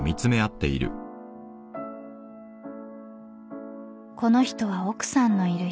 ［この人は奥さんのいる人］